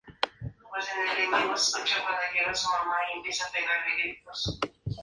Con todo, su gran personalidad lo llevó a continuar su carrera como solista.